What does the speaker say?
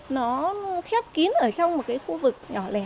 nó khép kín ở trong một cái khu vực nhỏ lẻ